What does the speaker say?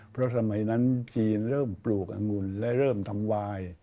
เพราะสมัยนั้นจีนเริ่มปลูกอังุ่นและเริ่มทำวาย